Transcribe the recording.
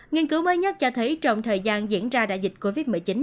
nghiên cứu mới nhất cho thấy trong thời gian diễn ra đại dịch covid một mươi chín